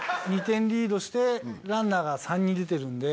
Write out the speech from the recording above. ２点リードしてランナーが３人出てるんで。